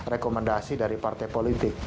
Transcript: rekomendasi dari partai politik